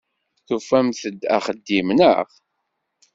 Tufamt-d axeddim, naɣ?